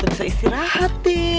tante bisa istirahat tee